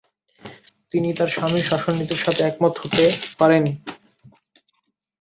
তিনি তার স্বামীর শাসননীতির সাথে একমত হতে পারেনি।